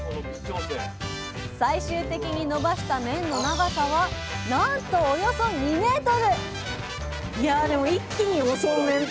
最終的にのばした麺の長さはなんとおよそ２ｍ！